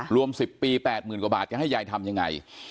รวมสิบปีแปดหมื่นกว่าบาทยังให้ยายทำยังไง